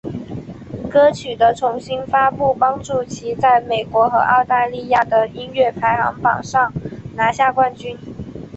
歌曲的重新发布帮助其在美国和澳大利亚的音乐排行榜上拿下冠军。